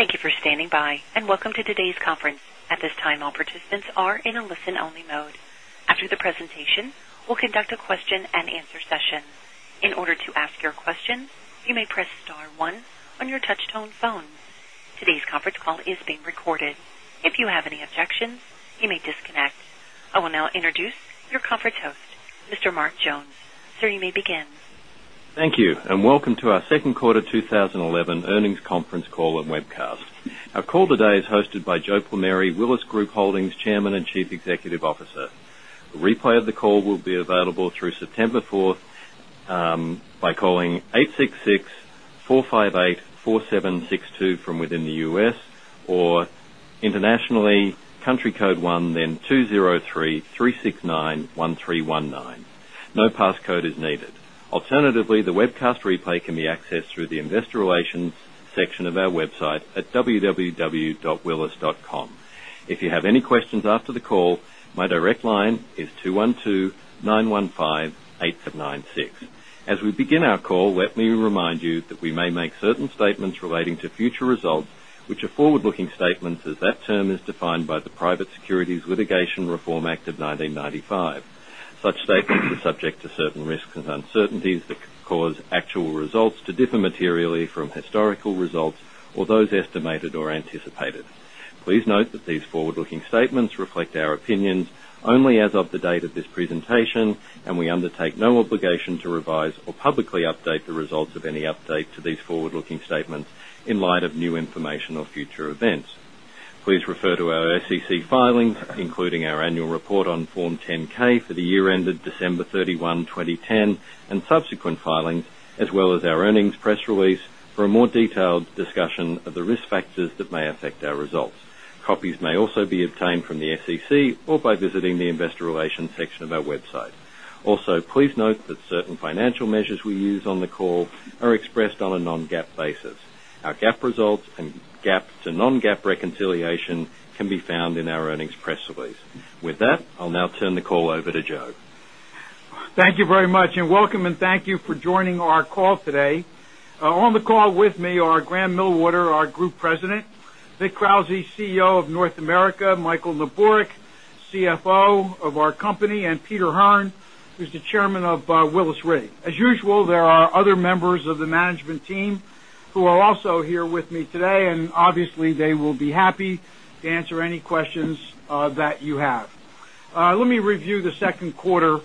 Thank you for standing by. Welcome to today's conference. At this time, all participants are in a listen-only mode. After the presentation, we'll conduct a question and answer session. In order to ask your questions, you may press star one on your touch-tone phone. Today's conference call is being recorded. If you have any objections, you may disconnect. I will now introduce your conference host, Mr. Mark Jones. Sir, you may begin. Thank you. Welcome to our second quarter 2011 earnings conference call and webcast. Our call today is hosted by Joe Plumeri, Willis Group Holdings Chairman and Chief Executive Officer. A replay of the call will be available through September 4th by calling 866-458-4762 from within the U.S. or internationally, country code 1, then 203-369-1319. No passcode is needed. Alternatively, the webcast replay can be accessed through the investor relations section of our website at www.willis.com. If you have any questions after the call, my direct line is 212-915-896. As we begin our call, let me remind you that we may make certain statements relating to future results, which are forward-looking statements as that term is defined by the Private Securities Litigation Reform Act of 1995. Such statements are subject to certain risks and uncertainties that could cause actual results to differ materially from historical results or those estimated or anticipated. Please note that these forward-looking statements reflect our opinions only as of the date of this presentation. We undertake no obligation to revise or publicly update the results of any update to these forward-looking statements in light of new information or future events. Please refer to our SEC filings, including our annual report on Form 10-K for the year ended December 31, 2010, subsequent filings, as well as our earnings press release for a more detailed discussion of the risk factors that may affect our results. Copies may also be obtained from the SEC or by visiting the investor relations section of our website. Also, please note that certain financial measures we use on the call are expressed on a non-GAAP basis. Our GAAP results and GAAP to non-GAAP reconciliation can be found in our earnings press release. With that, I'll now turn the call over to Joe. Thank you very much, welcome, thank you for joining our call today. On the call with me are Grahame Millwater, our Group President; Vic Krause, CEO of North America; Michael Neborak, CFO of our company; Peter Hearn, who's the Chairman of Willis Re. As usual, there are other members of the management team who are also here with me today, obviously, they will be happy to answer any questions that you have. Let me review the second quarter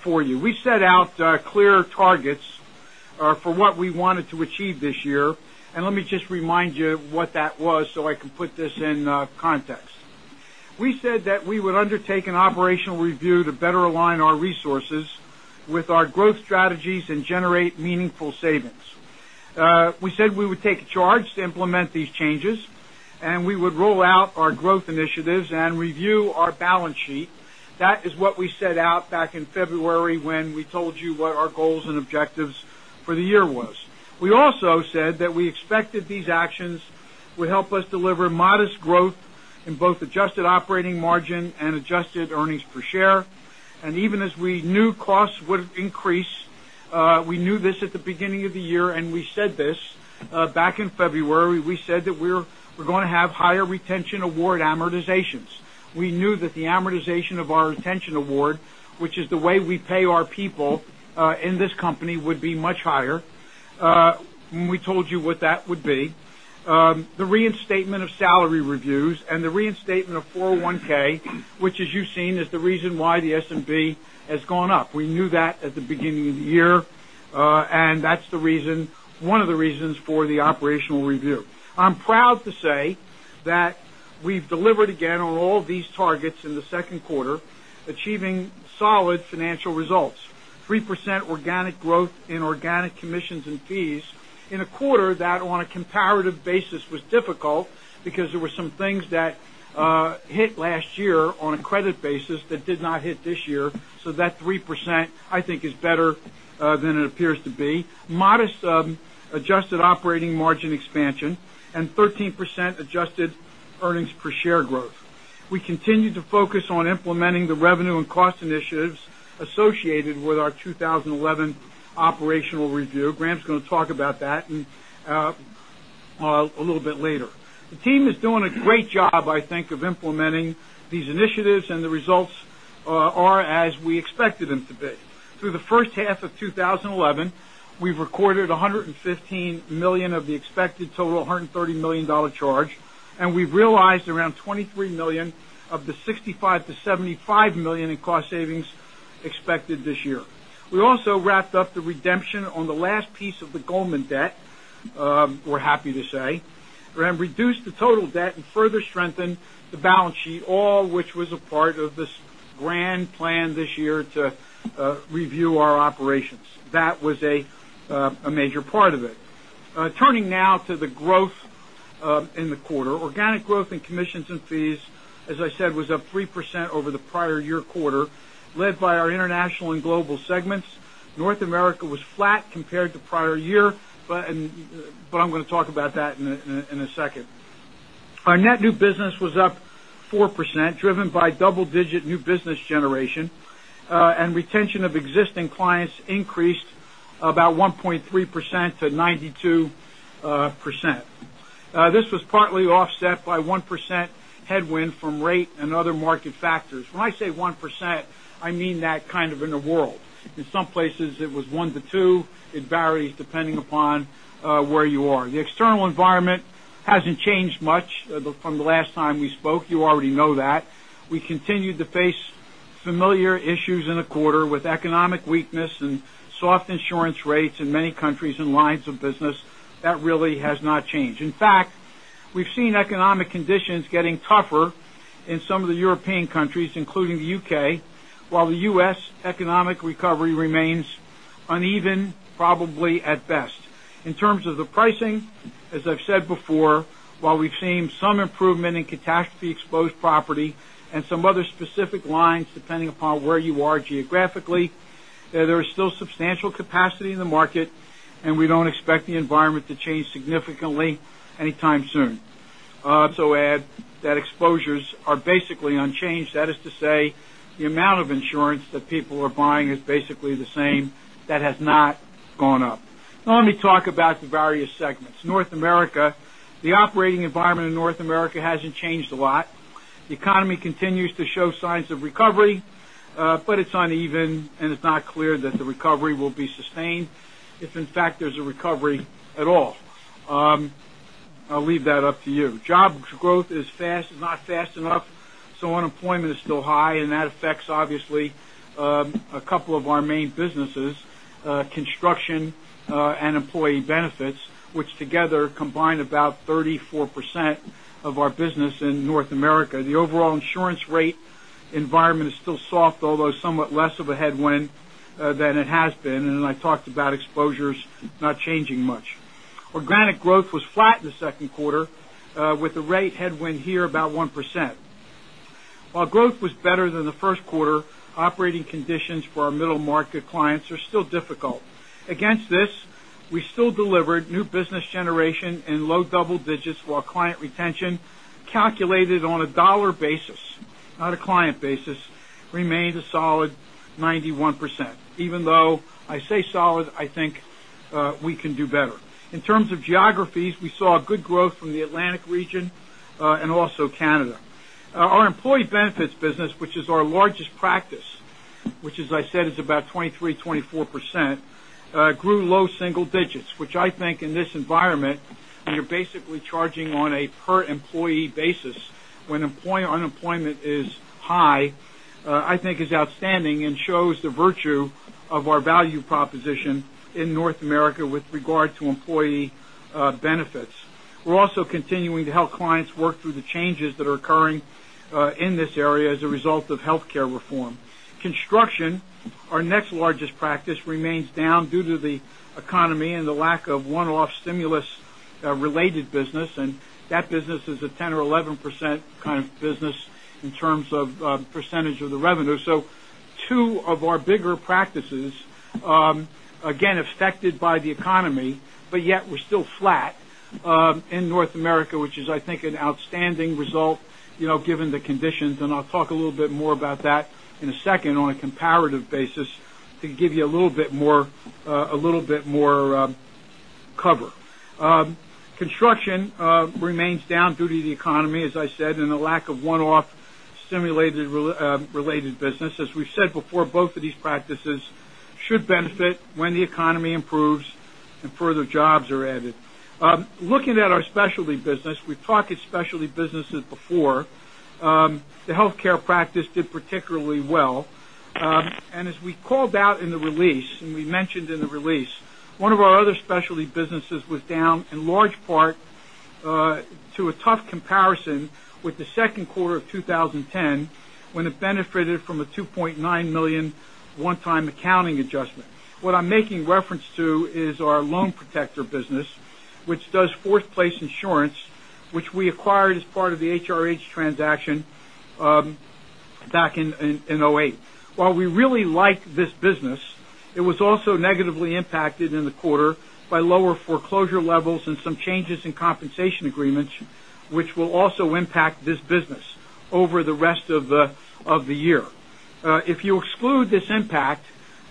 for you. We set out clear targets for what we wanted to achieve this year, let me just remind you what that was so I can put this in context. We said that we would undertake an operational review to better align our resources with our growth strategies and generate meaningful savings. We said we would take charge to implement these changes, we would roll out our growth initiatives and review our balance sheet. That is what we set out back in February when we told you what our goals and objectives for the year was. We also said that we expected these actions would help us deliver modest growth in both adjusted operating margin and adjusted earnings per share. Even as we knew costs would increase, we knew this at the beginning of the year, we said this back in February. We said that we're going to have higher retention award amortizations. We knew that the amortization of our retention award, which is the way we pay our people in this company, would be much higher. We told you what that would be. The reinstatement of salary reviews, the reinstatement of 401(k), which, as you've seen, is the reason why the S&P has gone up. We knew that at the beginning of the year, that's one of the reasons for the operational review. I'm proud to say that we've delivered again on all these targets in the second quarter, achieving solid financial results, 3% organic growth in organic commissions and fees in a quarter that on a comparative basis was difficult because there were some things that hit last year on a credit basis that did not hit this year. That 3%, I think, is better than it appears to be. Modest adjusted operating margin expansion, 13% adjusted earnings per share growth. We continue to focus on implementing the revenue and cost initiatives associated with our 2011 operational review. Grahame's going to talk about that a little bit later. The team is doing a great job, I think, of implementing these initiatives, the results are as we expected them to be. Through the first half of 2011, we've recorded $115 million of the expected total $130 million charge, we've realized around $23 million of the $65 million-$75 million in cost savings expected this year. We also wrapped up the redemption on the last piece of the Goldman debt, we're happy to say. Grahame reduced the total debt and further strengthened the balance sheet, all which was a part of this grand plan this year to review our operations. That was a major part of it. Turning now to the growth in the quarter. Organic growth in commissions and fees, as I said, was up 3% over the prior year quarter, led by our international and global segments. North America was flat compared to prior year. I'm going to talk about that in a second. Our net new business was up 4%, driven by double-digit new business generation, and retention of existing clients increased about 1.3% to 92%. This was partly offset by 1% headwind from rate and other market factors. When I say 1%, I mean that kind of in the world. In some places, it was one to two. It varies depending upon where you are. The external environment hasn't changed much from the last time we spoke. You already know that. We continued to face familiar issues in the quarter with economic weakness and soft insurance rates in many countries and lines of business. That really has not changed. In fact, we've seen economic conditions getting tougher in some of the European countries, including the U.K., while the U.S. economic recovery remains uneven, probably at best. In terms of the pricing, as I've said before, while we've seen some improvement in catastrophe-exposed property and some other specific lines, depending upon where you are geographically, there is still substantial capacity in the market. We don't expect the environment to change significantly anytime soon. I'd also add that exposures are basically unchanged. That is to say, the amount of insurance that people are buying is basically the same. That has not gone up. Let me talk about the various segments. North America, the operating environment in North America hasn't changed a lot. The economy continues to show signs of recovery. It's uneven, and it's not clear that the recovery will be sustained, if in fact, there's a recovery at all. I'll leave that up to you. Jobs growth is not fast enough, so unemployment is still high, and that affects obviously a couple of our main businesses, construction and employee benefits, which together combine about 34% of our business in North America. The overall insurance rate environment is still soft, although somewhat less of a headwind than it has been, and then I talked about exposures not changing much. Organic growth was flat in the second quarter with the rate headwind here about 1%. While growth was better than the first quarter, operating conditions for our middle-market clients are still difficult. Against this, we still delivered new business generation in low double digits while client retention calculated on a dollar basis, not a client basis, remained a solid 91%. Even though I say solid, I think we can do better. In terms of geographies, we saw good growth from the Atlantic region and also Canada. Our employee benefits business, which is our largest practice, which as I said, is about 23%-24%, grew low single digits, which I think in this environment, when you're basically charging on a per-employee basis when unemployment is high, I think is outstanding and shows the virtue of our value proposition in North America with regard to employee benefits. We're also continuing to help clients work through the changes that are occurring in this area as a result of healthcare reform. Construction, our next largest practice, remains down due to the economy and the lack of one-off stimulus related business, and that business is a 10% or 11% kind of business in terms of percentage of the revenue. Two of our bigger practices, again, affected by the economy, yet we're still flat in North America, which is, I think, an outstanding result given the conditions, and I'll talk a little bit more about that in a second on a comparative basis to give you a little bit more cover. Construction remains down due to the economy, as I said, and the lack of one-off stimulus related business. As we've said before, both of these practices should benefit when the economy improves and further jobs are added. Looking at our specialty business, we've talked at specialty businesses before. The healthcare practice did particularly well, as we called out in the release and we mentioned in the release, one of our other specialty businesses was down in large part to a tough comparison with the second quarter of 2010 when it benefited from a $2.9 million one-time accounting adjustment. What I'm making reference to is our Loan Protector business, which does force-placed insurance, which we acquired as part of the HRH transaction back in 2008. While we really like this business, it was also negatively impacted in the quarter by lower foreclosure levels and some changes in compensation agreements, which will also impact this business over the rest of the year. If you exclude this impact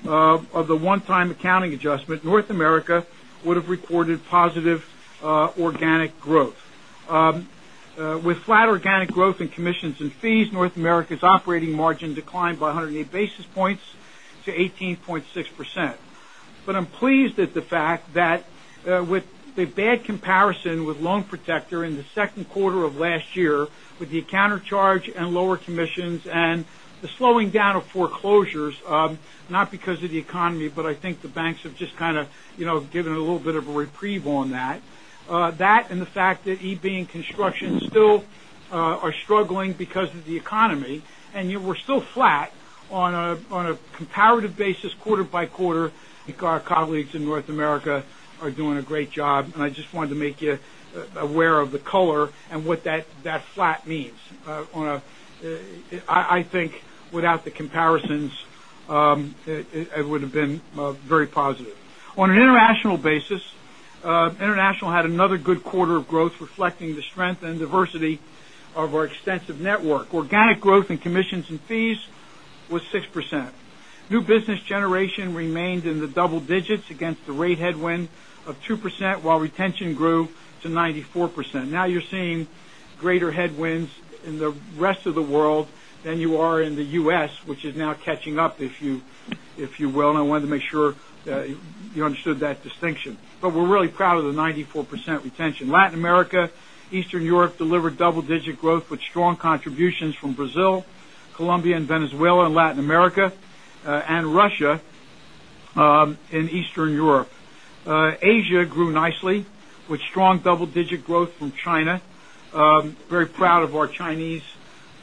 of the one-time accounting adjustment, North America would have recorded positive organic growth. With flat organic growth in commissions and fees, North America's operating margin declined by 108 basis points to 18.6%. I'm pleased at the fact that with the bad comparison with Loan Protector in the second quarter of last year, with the counter charge and lower commissions and the slowing down of foreclosures, not because of the economy, but I think the banks have just kind of given a little bit of a reprieve on that. That and the fact that EB and construction still are struggling because of the economy, and yet we're still flat on a comparative basis quarter by quarter, I think our colleagues in North America are doing a great job, and I just wanted to make you aware of the color and what that flat means. I think without the comparisons it would have been very positive. On an international basis, international had another good quarter of growth reflecting the strength and diversity of our extensive network. Organic growth in commissions and fees was 6%. New business generation remained in the double digits against the rate headwind of 2%, while retention grew to 94%. You're seeing greater headwinds in the rest of the world than you are in the U.S., which is now catching up, if you will, and I wanted to make sure you understood that distinction. We're really proud of the 94% retention. Latin America, Eastern Europe delivered double-digit growth with strong contributions from Brazil, Colombia, and Venezuela in Latin America, and Russia in Eastern Europe. Asia grew nicely with strong double-digit growth from China. Very proud of our Chinese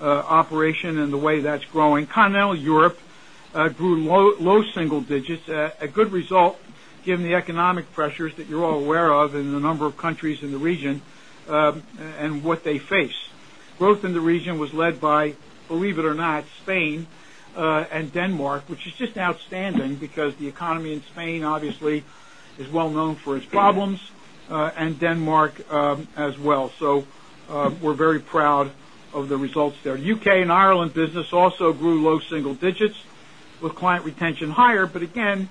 operation and the way that's growing. Continental Europe grew low single digits, a good result given the economic pressures that you're all aware of in the number of countries in the region and what they face. Growth in the region was led by, believe it or not, Spain and Denmark, which is just outstanding because the economy in Spain obviously is well known for its problems, and Denmark as well. We're very proud of the results there. U.K. and Ireland business also grew low single digits with client retention higher, but again,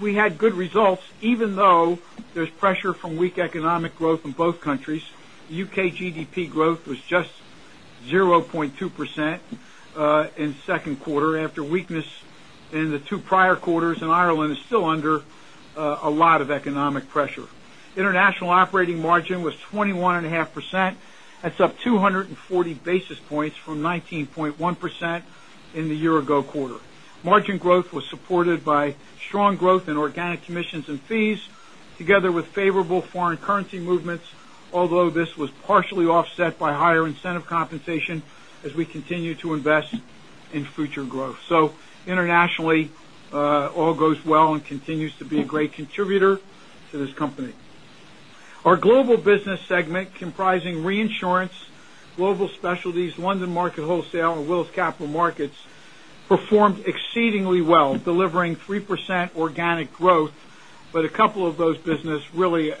we had good results even though there's pressure from weak economic growth in both countries. U.K. GDP growth was just 0.2% in 2Q after weakness in the two prior quarters, and Ireland is still under a lot of economic pressure. International operating margin was 21.5%. That's up 240 basis points from 19.1% in the year ago quarter. Margin growth was supported by strong growth in organic commissions and fees, together with favorable foreign currency movements, although this was partially offset by higher incentive compensation as we continue to invest in future growth. Internationally, all goes well and continues to be a great contributor to this company. Our Global Business segment comprising reinsurance, Global Specialties, London Market Wholesale, and Willis Capital Markets performed exceedingly well, delivering 3% organic growth. A couple of those business really,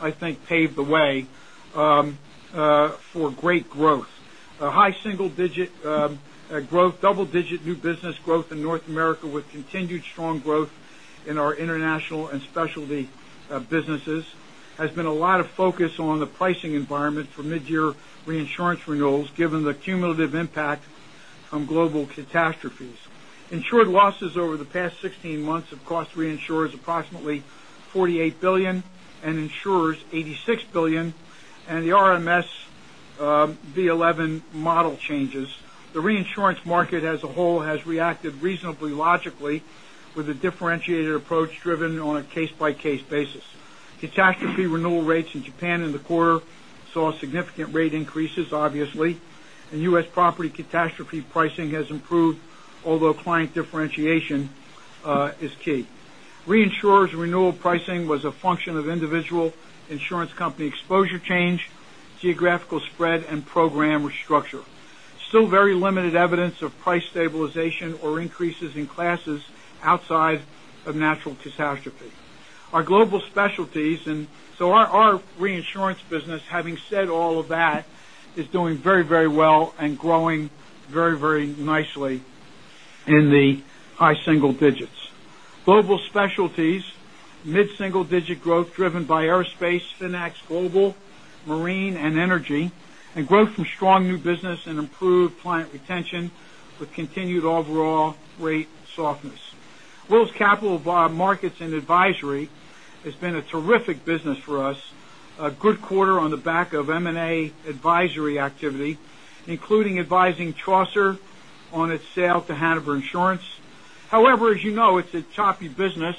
I think, paved the way for great growth. A high single-digit growth, double-digit new business growth in North America with continued strong growth in our international and specialty businesses has been a lot of focus on the pricing environment for mid-year reinsurance renewals given the cumulative impact from global catastrophes. Insured losses over the past 16 months have cost reinsurers approximately $48 billion and insurers $86 billion, and the RMS v11 model changes. The reinsurance market as a whole has reacted reasonably logically with a differentiated approach driven on a case-by-case basis. Catastrophe renewal rates in Japan in the quarter saw significant rate increases, obviously, and U.S. property catastrophe pricing has improved, although client differentiation is key. Reinsurer's renewal pricing was a function of individual insurance company exposure change, geographical spread, and program restructure. Still very limited evidence of price stabilization or increases in classes outside of natural catastrophe. Our Global Specialties and our reinsurance business, having said all of that, is doing very well and growing very nicely in the high single digits. Global Specialties, mid-single digit growth driven by aerospace, FINEX Global, marine and energy, and growth from strong new business and improved client retention with continued overall rate softness. Willis Capital Markets & Advisory has been a terrific business for us. A good quarter on the back of M&A advisory activity, including advising Chaucer on its sale to Hanover Insurance. As you know, it's a choppy business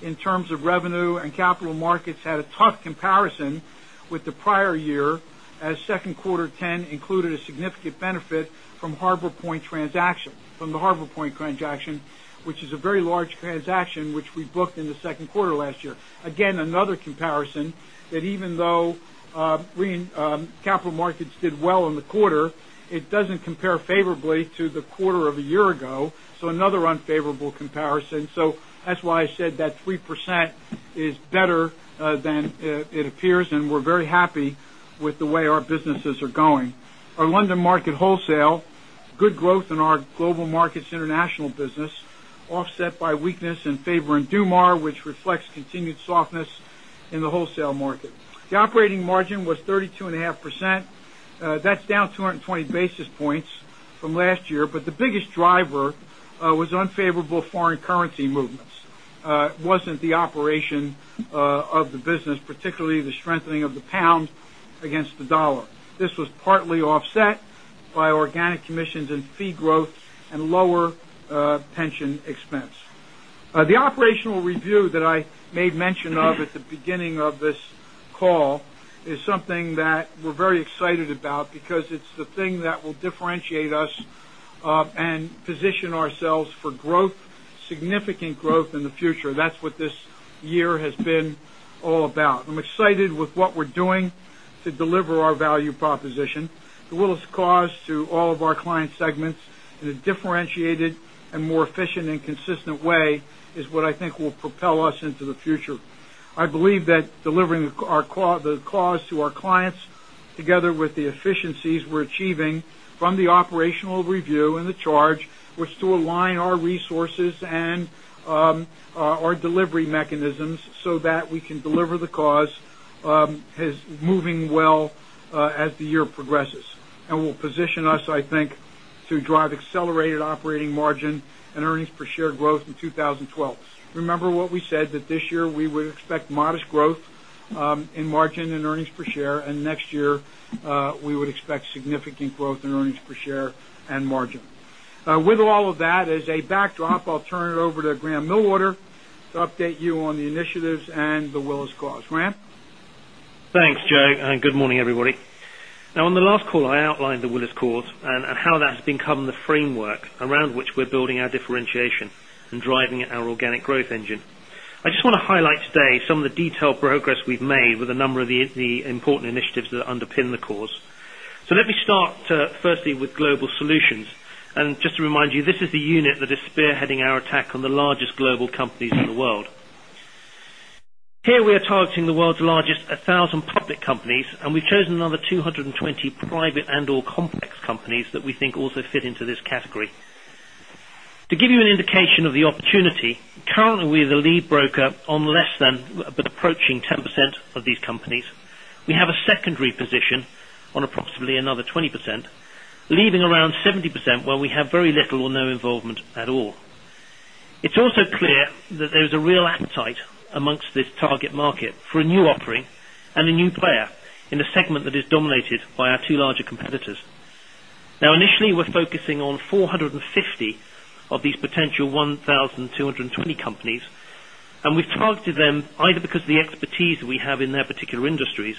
in terms of revenue, and capital markets had a tough comparison with the prior year as 2Q 2010 included a significant benefit from the Harbor Point transaction, which is a very large transaction, which we booked in the 2Q last year. Another comparison that even though capital markets did well in the quarter, it doesn't compare favorably to the quarter of a year ago, another unfavorable comparison. That's why I said that 3% is better than it appears, and we're very happy with the way our businesses are going. Our London market wholesale, good growth in our global markets international business, offset by weakness in Faber and Dumas, which reflects continued softness in the wholesale market. The operating margin was 32.5%. That's down 220 basis points from last year, but the biggest driver was unfavorable foreign currency movements. It wasn't the operation of the business, particularly the strengthening of the pound against the dollar. This was partly offset by organic commissions and fee growth and lower pension expense. The operational review that I made mention of at the beginning of this call is something that we're very excited about because it's the thing that will differentiate us and position ourselves for significant growth in the future. That's what this year has been all about. I'm excited with what we're doing to deliver our value proposition. The Willis Cause to all of our client segments in a differentiated and more efficient and consistent way is what I think will propel us into the future. I believe that delivering the cause to our clients, together with the efficiencies we're achieving from the operational review and the charge, which to align our resources and our delivery mechanisms so that we can deliver the cause, is moving well as the year progresses. And will position us, I think, to drive accelerated operating margin and earnings per share growth in 2012. Remember what we said, that this year we would expect modest growth in margin and earnings per share, and next year, we would expect significant growth in earnings per share and margin. With all of that as a backdrop, I'll turn it over to Grahame Millwater to update you on the initiatives and The Willis Cause. Grahame? Thanks, Joe, and good morning, everybody. On the last call, I outlined The Willis Cause and how that's become the framework around which we're building our differentiation and driving our organic growth engine. I just want to highlight today some of the detailed progress we've made with a number of the important initiatives that underpin the cause. Let me start firstly with Global Solutions. Just to remind you, this is the unit that is spearheading our attack on the largest global companies in the world. Here we are targeting the world's largest 1,000 public companies, and we've chosen another 220 private and/or complex companies that we think also fit into this category. To give you an indication of the opportunity, currently, we're the lead broker on less than but approaching 10% of these companies. We have a secondary position on approximately another 20%, leaving around 70% where we have very little or no involvement at all. It's also clear that there is a real appetite amongst this target market for a new offering and a new player in a segment that is dominated by our two larger competitors. Initially, we're focusing on 450 of these potential 1,220 companies, and we've targeted them either because of the expertise we have in their particular industries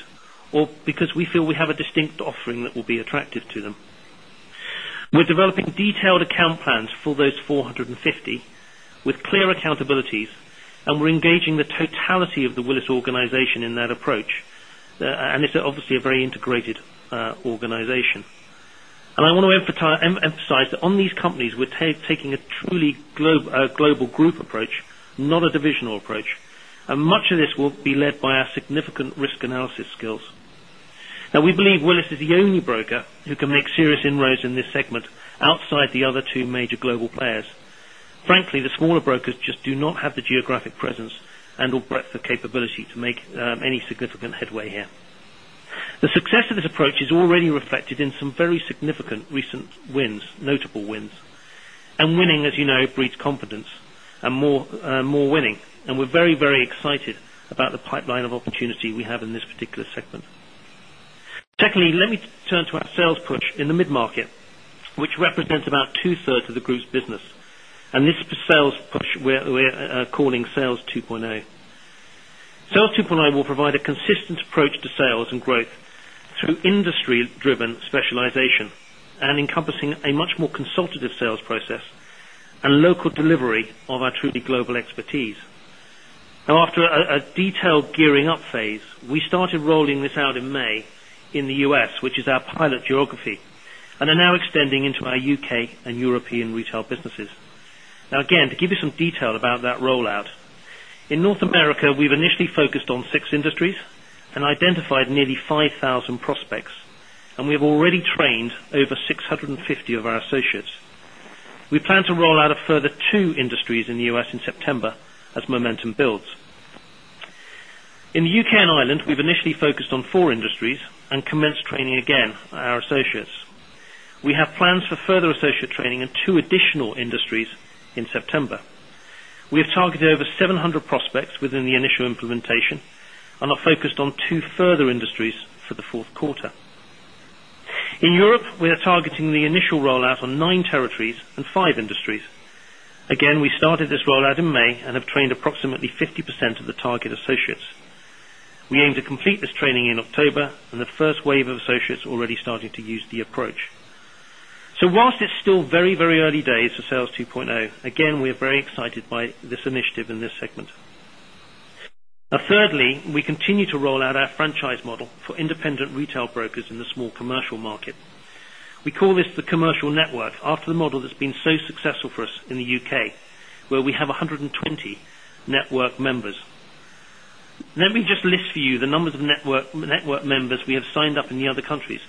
or because we feel we have a distinct offering that will be attractive to them. We're developing detailed account plans for those 450 with clear accountabilities, and we're engaging the totality of the Willis organization in that approach. This is obviously a very integrated organization. I want to emphasize that on these companies, we're taking a truly global group approach, not a divisional approach. Much of this will be led by our significant risk analysis skills. We believe Willis is the only broker who can make serious inroads in this segment outside the other two major global players. Frankly, the smaller brokers just do not have the geographic presence and/or breadth of capability to make any significant headway here. The success of this approach is already reflected in some very significant recent wins, notable wins. Winning, as you know, breeds confidence and more winning. We're very excited about the pipeline of opportunity we have in this particular segment. Secondly, let me turn to our sales push in the mid-market, which represents about two-thirds of the group's business. This sales push, we're calling Sales 2.0. Sales 2.0 will provide a consistent approach to sales and growth through industry-driven specialization and encompassing a much more consultative sales process and local delivery of our truly global expertise. After a detailed gearing up phase, we started rolling this out in May in the U.S., which is our pilot geography, and are now extending into our U.K. and European retail businesses. Again, to give you some detail about that rollout. In North America, we've initially focused on 6 industries and identified nearly 5,000 prospects, and we have already trained over 650 of our associates. We plan to roll out a further 2 industries in the U.S. in September as momentum builds. In the U.K. and Ireland, we've initially focused on 4 industries and commenced training again our associates. We have plans for further associate training in 2 additional industries in September. We have targeted over 700 prospects within the initial implementation and are focused on 2 further industries for the fourth quarter. In Europe, we are targeting the initial rollout on 9 territories and 5 industries. Again, we started this rollout in May and have trained approximately 50% of the target associates. We aim to complete this training in October and the first wave of associates are already starting to use the approach. Whilst it's still very early days for Sales 2.0, again, we are very excited by this initiative in this segment. Thirdly, we continue to roll out our franchise model for independent retail brokers in the small commercial market. We call this the Commercial Network, after the model that's been so successful for us in the U.K., where we have 120 network members. Let me just list for you the numbers of network members we have signed up in the other countries,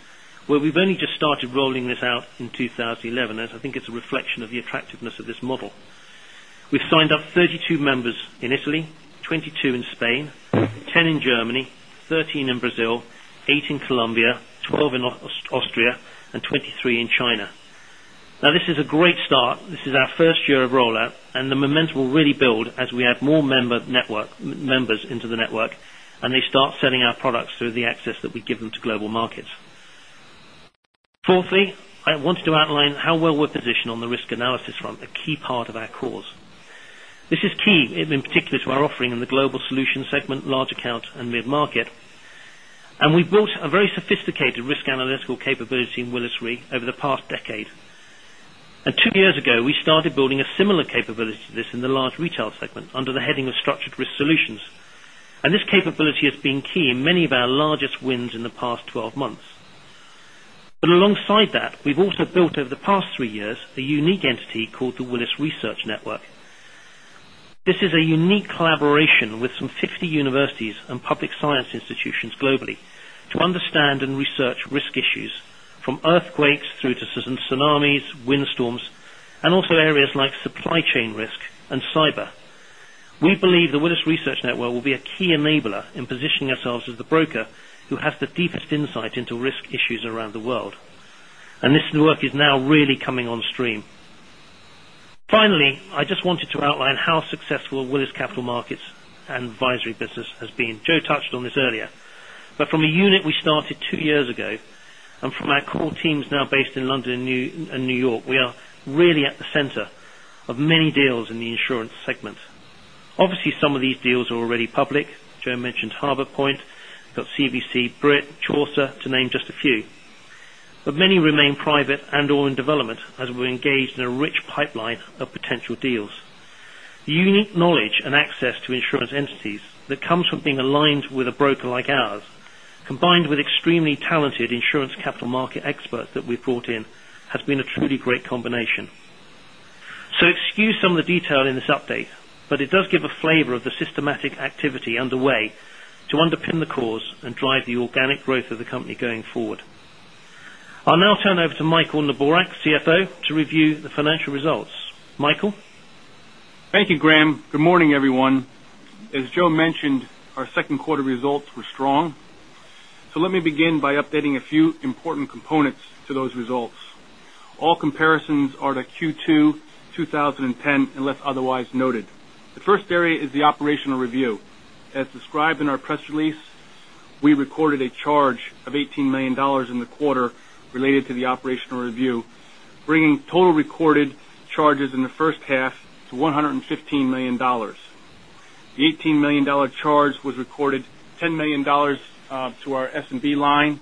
where we've only just started rolling this out in 2011. I think it's a reflection of the attractiveness of this model. We've signed up 32 members in Italy, 22 in Spain, 10 in Germany, 13 in Brazil, eight in Colombia, 12 in Austria, and 23 in China. This is a great start. This is our first year of rollout, and the momentum will really build as we add more members into the network, and they start selling our products through the access that we give them to global markets. Fourthly, I wanted to outline how well we're positioned on the risk analysis front, a key part of The Willis Cause. This is key, in particular to our offering in the Global Solutions segment, large account, and mid-market. We've built a very sophisticated risk analytical capability in Willis Re over the past decade. Two years ago, we started building a similar capability to this in the large retail segment under the heading of Structured Risk Solutions. This capability has been key in many of our largest wins in the past 12 months. Alongside that, we've also built over the past three years, a unique entity called the Willis Research Network. This is a unique collaboration with some 50 universities and public science institutions globally to understand and research risk issues from earthquakes through to tsunamis, windstorms, and also areas like supply chain risk and cyber. We believe the Willis Research Network will be a key enabler in positioning ourselves as the broker who has the deepest insight into risk issues around the world. This work is now really coming on stream. Finally, I just wanted to outline how successful Willis Capital Markets & Advisory business has been. Joe touched on this earlier. From a unit we started two years ago and from our core teams now based in London and New York, we are really at the center of many deals in the insurance segment. Obviously, some of these deals are already public. Joe mentioned Harbor Point. We've got CBC, Brit, Chaucer, to name just a few. Many remain private and or in development as we're engaged in a rich pipeline of potential deals. The unique knowledge and access to insurance entities that comes from being aligned with a broker like ours, combined with extremely talented insurance capital market experts that we've brought in, has been a truly great combination. Excuse some of the detail in this update, but it does give a flavor of the systematic activity underway to underpin The Willis Cause and drive the organic growth of the company going forward. I'll now turn over to Michael Neborak, CFO, to review the financial results. Michael? Thank you, Grahame. Good morning, everyone. As Joe mentioned, our second quarter results were strong. Let me begin by updating a few important components to those results. All comparisons are to Q2 2010 unless otherwise noted. The first area is the operational review. As described in our press release, we recorded a charge of $18 million in the quarter related to the operational review, bringing total recorded charges in the first half to $115 million. The $18 million charge was recorded $10 million to our S&B line,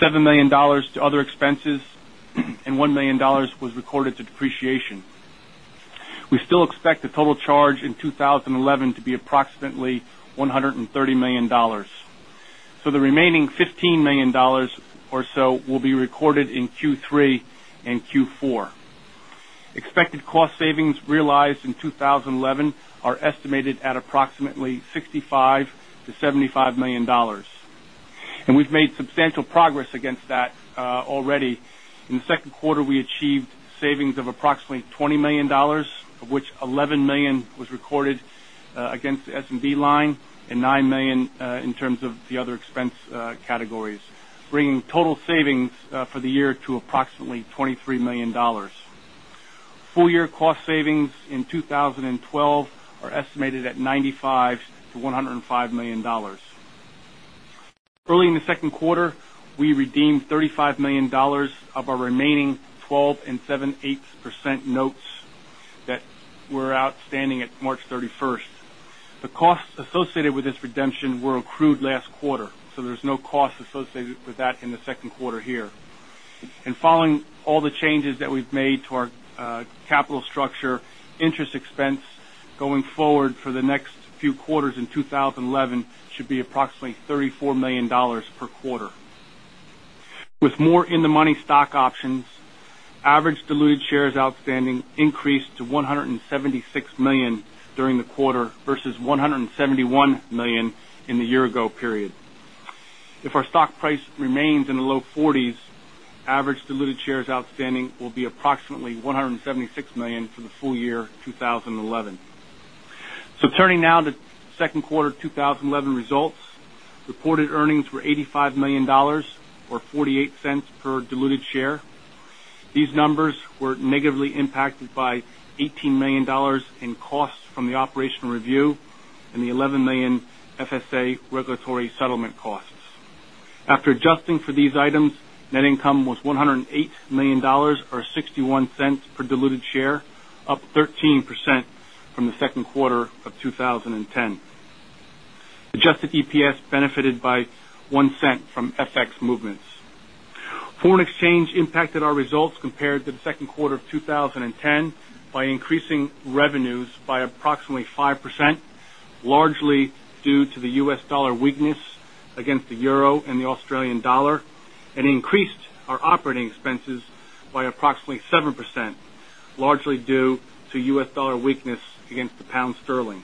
$7 million to other expenses, and $1 million was recorded to depreciation. We still expect the total charge in 2011 to be approximately $130 million. The remaining $15 million or so will be recorded in Q3 and Q4. Expected cost savings realized in 2011 are estimated at approximately $65 million-$75 million. We've made substantial progress against that already. In the second quarter, we achieved savings of approximately $20 million, of which $11 million was recorded against the S&B line and $9 million in terms of the other expense categories, bringing total savings for the year to approximately $23 million. Full year cost savings in 2012 are estimated at $95 million-$105 million. Early in the second quarter, we redeemed $35 million of our remaining 12 and seven eighths% notes that were outstanding at March 31st. The costs associated with this redemption were accrued last quarter, there's no cost associated with that in the second quarter here. Following all the changes that we've made to our capital structure, interest expense going forward for the next few quarters in 2011 should be approximately $34 million per quarter. With more in-the-money stock options, average diluted shares outstanding increased to 176 million during the quarter versus 171 million in the year ago period. If our stock price remains in the low 40s, average diluted shares outstanding will be approximately 176 million for the full year 2011. Turning now to second quarter 2011 results, reported earnings were $85 million or $0.48 per diluted share. These numbers were negatively impacted by $18 million in costs from the operational review and the $11 million FSA regulatory settlement costs. After adjusting for these items, net income was $108 million or $0.61 per diluted share, up 13% from the second quarter of 2010. Adjusted EPS benefited by $0.01 from FX movements. Foreign exchange impacted our results compared to the second quarter of 2010 by increasing revenues by approximately 5%, largely due to the U.S. dollar weakness against the euro and the Australian dollar, and increased our operating expenses by approximately 7%, largely due to U.S. dollar weakness against the pound sterling.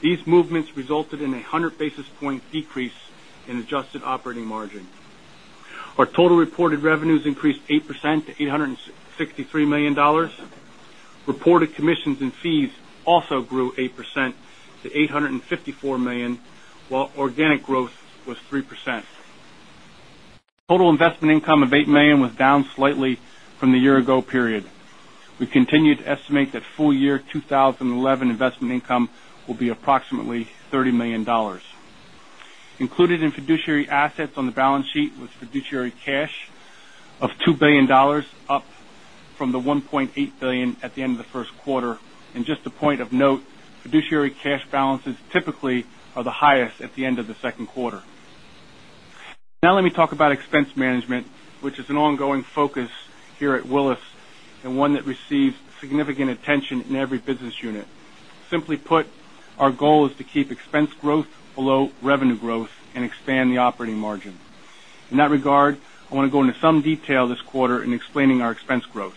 These movements resulted in a 100 basis point decrease in adjusted operating margin. Our total reported revenues increased 8% to $863 million. Reported commissions and fees also grew 8% to $854 million, while organic growth was 3%. Total investment income of $8 million was down slightly from the year ago period. We continue to estimate that full year 2011 investment income will be approximately $30 million. Included in fiduciary assets on the balance sheet was fiduciary cash of $2 billion, up from the $1.8 billion at the end of the first quarter. Just a point of note, fiduciary cash balances typically are the highest at the end of the second quarter. Let me talk about expense management, which is an ongoing focus here at Willis and one that receives significant attention in every business unit. Simply put, our goal is to keep expense growth below revenue growth and expand the operating margin. In that regard, I want to go into some detail this quarter in explaining our expense growth.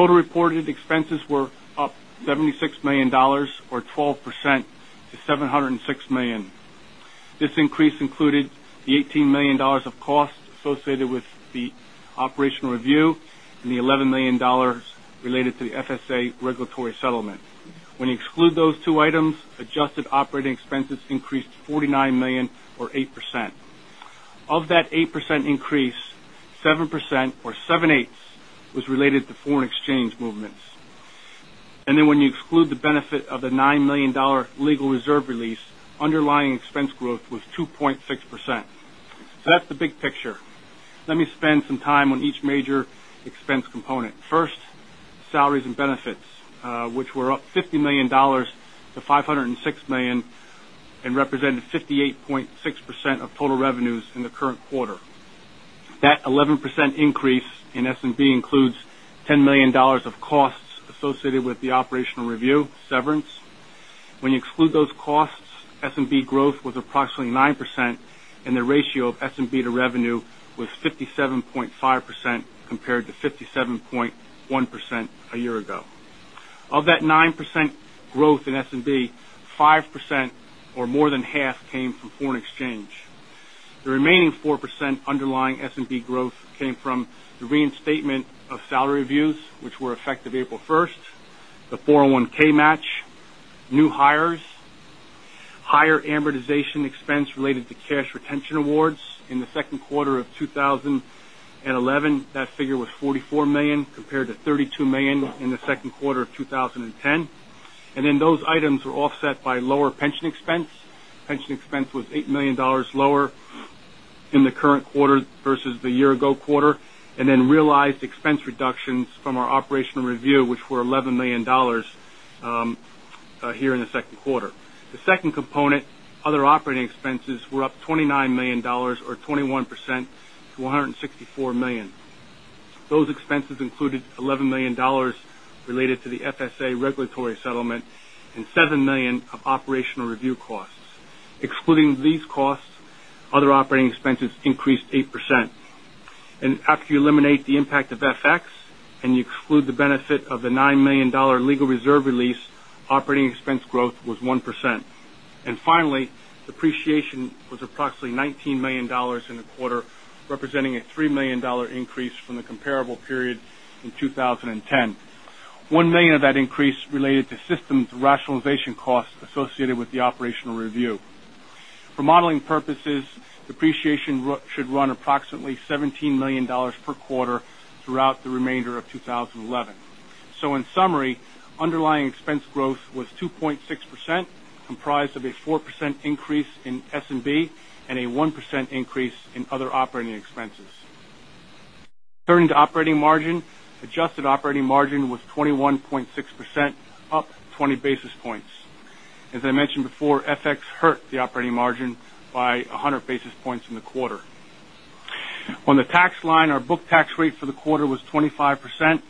Total reported expenses were up $76 million, or 12%, to $706 million. This increase included the $18 million of costs associated with the operational review and the $11 million related to the FSA regulatory settlement. When you exclude those two items, adjusted operating expenses increased to $49 million, or 8%. Of that 8% increase, 7%, or 7/8, was related to foreign exchange movements. When you exclude the benefit of the $9 million legal reserve release, underlying expense growth was 2.6%. That's the big picture. Let me spend some time on each major expense component. First, salaries and benefits, which were up $50 million to $506 million and represented 58.6% of total revenues in the current quarter. That 11% increase in S&B includes $10 million of costs associated with the operational review severance. When you exclude those costs, S&B growth was approximately 9%, and the ratio of S&B to revenue was 57.5% compared to 57.1% a year ago. Of that 9% growth in S&B, 5%, or more than half, came from foreign exchange. The remaining 4% underlying S&B growth came from the reinstatement of salary reviews, which were effective April 1st, the 401 match, new hires, higher amortization expense related to cash retention awards. In the second quarter of 2011, that figure was $44 million compared to $32 million in the second quarter of 2010. Those items were offset by lower pension expense. Pension expense was $8 million lower in the current quarter versus the year ago quarter, realized expense reductions from our operational review, which were $11 million here in the second quarter. The second component, other operating expenses, were up $29 million, or 21%, to $164 million. Those expenses included $11 million related to the FSA regulatory settlement and $7 million of operational review costs. Excluding these costs, other operating expenses increased 8%. After you eliminate the impact of FX and you exclude the benefit of the $9 million legal reserve release, operating expense growth was 1%. Finally, depreciation was approximately $19 million in the quarter, representing a $3 million increase from the comparable period in 2010. $1 million of that increase related to systems rationalization costs associated with the operational review. For modeling purposes, depreciation should run approximately $17 million per quarter throughout the remainder of 2011. In summary, underlying expense growth was 2.6%, comprised of a 4% increase in S&B and a 1% increase in other operating expenses. Turning to operating margin, adjusted operating margin was 21.6%, up 20 basis points. As I mentioned before, FX hurt the operating margin by 100 basis points in the quarter. On the tax line, our book tax rate for the quarter was 25%.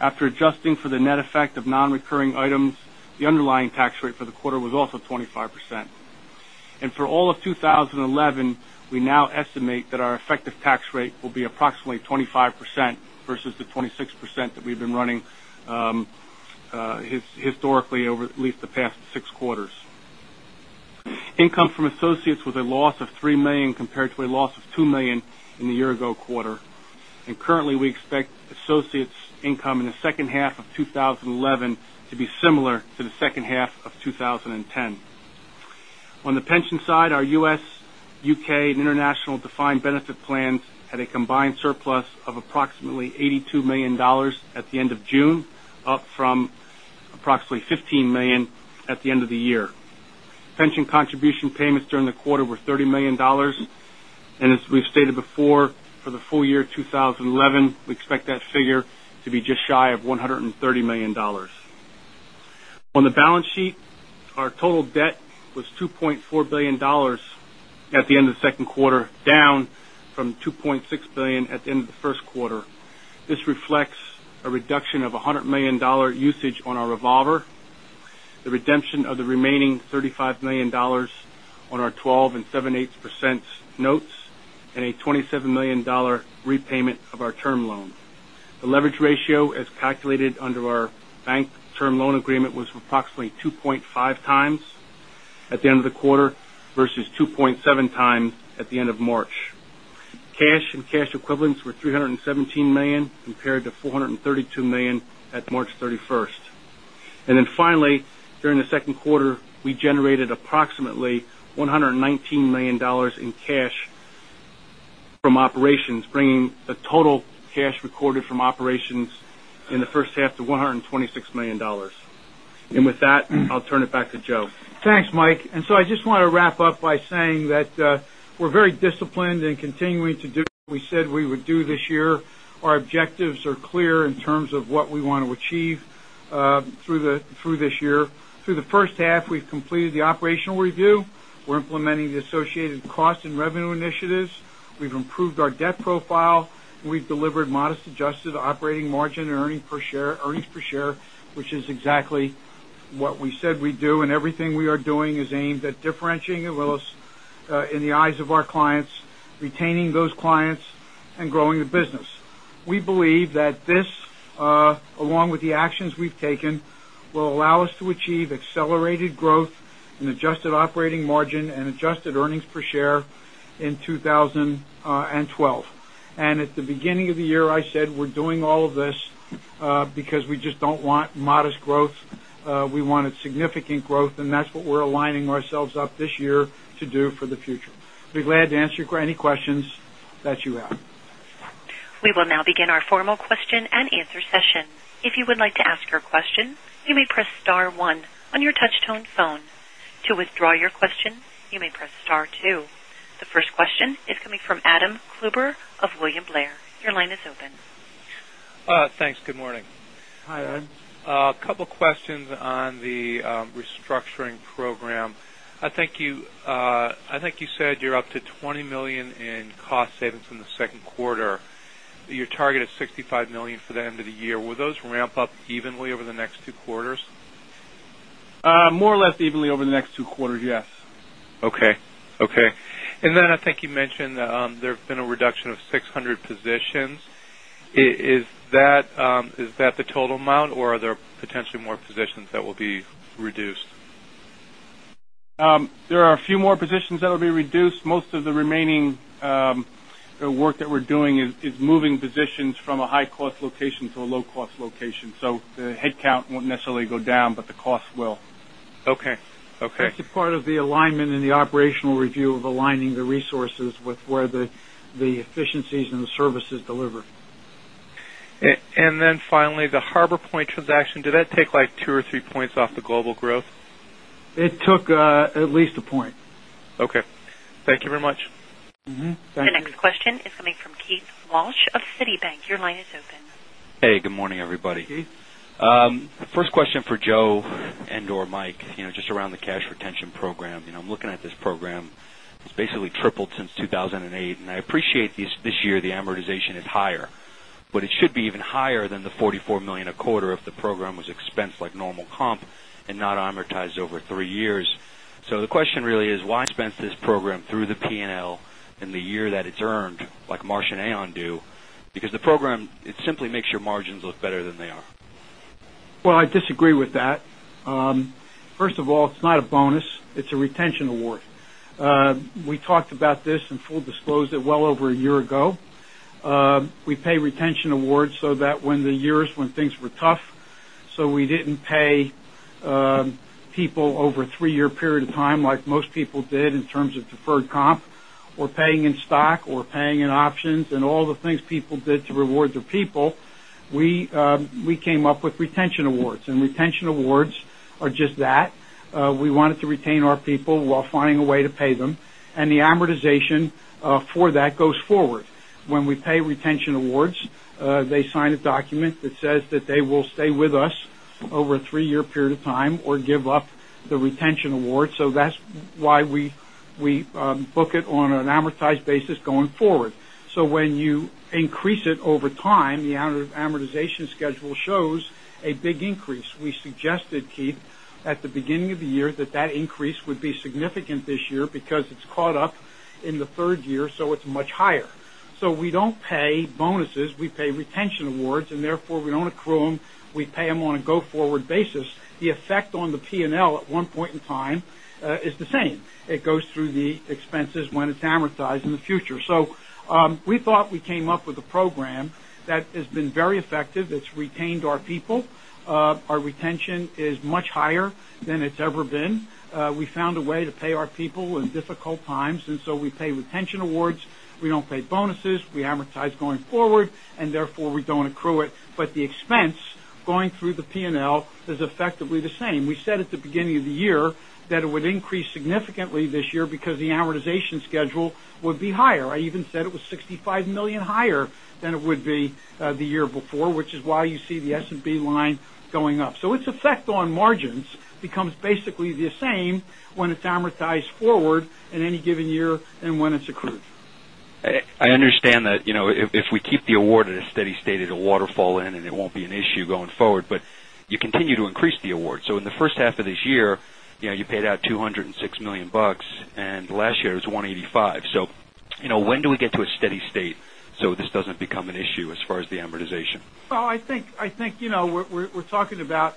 After adjusting for the net effect of non-recurring items, the underlying tax rate for the quarter was also 25%. For all of 2011, we now estimate that our effective tax rate will be approximately 25% versus the 26% that we've been running historically over at least the past six quarters. Income from associates was a loss of $3 million compared to a loss of $2 million in the year ago quarter. Currently, we expect associates' income in the second half of 2011 to be similar to the second half of 2010. On the pension side, our U.S., U.K., and international defined benefit plans had a combined surplus of approximately $82 million at the end of June, up from approximately $15 million at the end of the year. Pension contribution payments during the quarter were $30 million. As we've stated before, for the full year 2011, we expect that figure to be just shy of $130 million. On the balance sheet, our total debt was $2.4 billion at the end of the second quarter, down from $2.6 billion at the end of the first quarter. This reflects a reduction of $100 million usage on our revolver, the redemption of the remaining $35 million on our 12 7/8% notes, and a $27 million repayment of our term loan. The leverage ratio, as calculated under our bank term loan agreement, was approximately 2.5 times at the end of the quarter versus 2.7 times at the end of March. Cash and cash equivalents were $317 million compared to $432 million at March 31st. Finally, during the second quarter, we generated approximately $119 million in cash from operations, bringing the total cash recorded from operations in the first half to $126 million. With that, I'll turn it back to Joe. Thanks, Mike. I just want to wrap up by saying that we're very disciplined and continuing to do what we said we would do this year. Our objectives are clear in terms of what we want to achieve Through this year. Through the first half, we've completed the operational review. We're implementing the associated cost and revenue initiatives. We've improved our debt profile, and we've delivered modest adjusted operating margin and earnings per share, which is exactly what we said we'd do. Everything we are doing is aimed at differentiating Willis in the eyes of our clients, retaining those clients, and growing the business. We believe that this, along with the actions we've taken, will allow us to achieve accelerated growth in adjusted operating margin and adjusted earnings per share in 2012. At the beginning of the year, I said we're doing all of this because we just don't want modest growth. We wanted significant growth, that's what we're aligning ourselves up this year to do for the future. I'd be glad to answer any questions that you have. We will now begin our formal question and answer session. If you would like to ask your question, you may press star one on your touch-tone phone. To withdraw your question, you may press star two. The first question is coming from Adam Klauber of William Blair. Your line is open. Thanks. Good morning. Hi, Adam. A couple questions on the restructuring program. I think you said you're up to $20 million in cost savings from the second quarter. Your target is $65 million for the end of the year. Will those ramp up evenly over the next two quarters? More or less evenly over the next two quarters, yes. Okay. I think you mentioned there have been a reduction of 600 positions. Is that the total amount, or are there potentially more positions that will be reduced? There are a few more positions that will be reduced. Most of the remaining work that we're doing is moving positions from a high-cost location to a low-cost location. The headcount won't necessarily go down, but the cost will. Okay. That's a part of the alignment and the operational review of aligning the resources with where the efficiencies and the service is delivered. Finally, the Harbor Point transaction, did that take two or three points off the global growth? It took at least a point. Okay. Thank you very much. Thank you. The next question is coming from Keith Walsh of Citi. Your line is open. Hey, good morning, everybody. Hey. First question for Joe and/or Mike, just around the cash retention program. I'm looking at this program. It's basically tripled since 2008, and I appreciate this year the amortization is higher. It should be even higher than the $44 million a quarter if the program was expensed like normal comp and not amortized over three years. The question really is why expense this program through the P&L in the year that it's earned, like Marsh & Aon do? The program, it simply makes your margins look better than they are. Well, I disagree with that. First of all, it's not a bonus. It's a retention award. We talked about this and full disclosed it well over a year ago. We pay retention awards so that when the years when things were tough, we didn't pay people over a three-year period of time like most people did in terms of deferred comp or paying in stock or paying in options and all the things people did to reward their people, we came up with retention awards. Retention awards are just that. We wanted to retain our people while finding a way to pay them. The amortization for that goes forward. When we pay retention awards, they sign a document that says that they will stay with us over a three-year period of time or give up the retention award. That's why we book it on an amortized basis going forward. When you increase it over time, the amortization schedule shows a big increase. We suggested, Keith, at the beginning of the year that that increase would be significant this year because it's caught up in the third year, it's much higher. We don't pay bonuses. We pay retention awards, and therefore we don't accrue them. We pay them on a go-forward basis. The effect on the P&L at one point in time is the same. It goes through the expenses when it's amortized in the future. We thought we came up with a program that has been very effective. It's retained our people. Our retention is much higher than it's ever been. We found a way to pay our people in difficult times, we pay retention awards. We don't pay bonuses. We amortize going forward, and therefore we don't accrue it. The expense going through the P&L is effectively the same. We said at the beginning of the year that it would increase significantly this year because the amortization schedule would be higher. I even said it was $65 million higher than it would be the year before, which is why you see the S&B line going up. Its effect on margins becomes basically the same when it's amortized forward in any given year and when it's accrued. I understand that, if we keep the award at a steady state, it'll waterfall in, and it won't be an issue going forward, you continue to increase the award. In the first half of this year, you paid out $206 million, and last year it was $185 million. When do we get to a steady state so this doesn't become an issue as far as the amortization? I think we're talking about